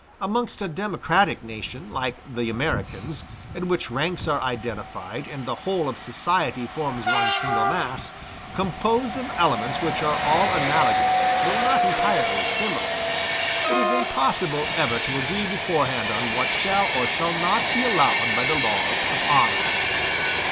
Amongst a democratic nation, like the Americans, in which ranks are identified, and the whole of society forms one single mass, composed of elements which are all analogous though not entirely similar, it is impossible ever to agree beforehand on what shall or shall not be allowed by the laws of honor.